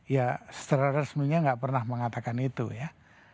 ya secara resminya nggak pernah mengatakan itu ya